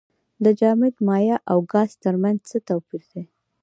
د جامد مایع او ګاز ترمنځ څه توپیر دی.